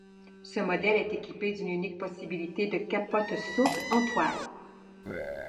Ce modèle est équipé d'une unique possibilité de capote souple en toile.